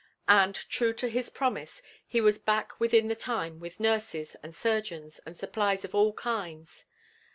And true to his promise, he was back within the time with nurses and surgeons and supplies of all kinds.